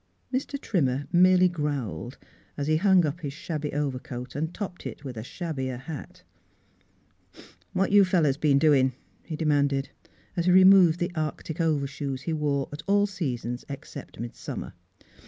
Mr. Trimmer merely growled as he Miss Philura's Wedding Gozvn hung up his shabby overcoat and topped it with a shabbier hat. '•What you fellows been doin'?" he demanded, as he removed the arctic over shoes he wore at all seasons except mid summer.